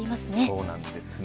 そうなんですね。